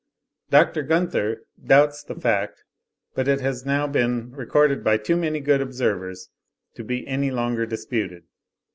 Dr. Gunther doubts the fact, but it has now been recorded by too many good observers to be any longer disputed.